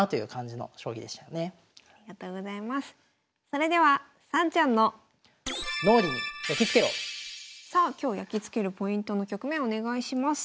それではさあ今日やきつけるポイントの局面お願いします。